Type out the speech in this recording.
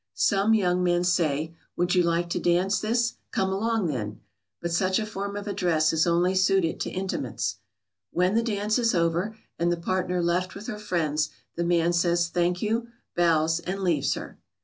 Some young men say, "Would you like to dance this? Come along then!" but such a form of address is only suited to intimates. [Sidenote: After the dance.] When the dance is over, and the partner left with her friends, the man says, "Thank you," bows, and leaves her.